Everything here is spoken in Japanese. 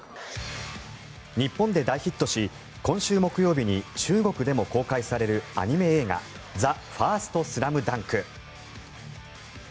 日本で大ヒットし今週木曜日に中国でも公開されるアニメ映画「ＴＨＥＦＩＲＳＴＳＬＡＭＤＵＮＫ」。